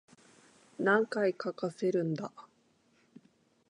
何回かかせるんだ